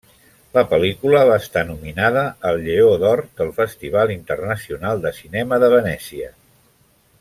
La pel·lícula va estar nominada al Lleó d'Or del Festival Internacional de Cinema de Venècia.